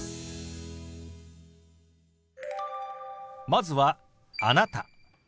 まずは「あなた」。